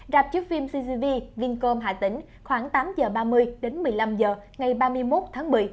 đạp trước phim cgv vinh cơm hà tĩnh khoảng tám h ba mươi đến một mươi năm h ngày ba mươi một tháng một mươi